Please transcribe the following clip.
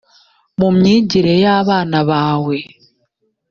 mu myigire y abana bawe